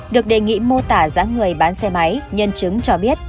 được đề nghị mô tả giá người bán xe máy nhân chứng cho biết